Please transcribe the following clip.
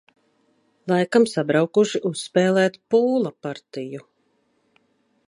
Laikam sabraukuši uzspēlēt pūla partiju.